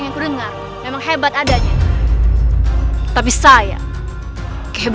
pergilah dari sini